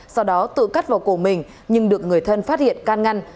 sau đó tự cắt vào cổ mình nhưng được người thân phát hiện can ngăn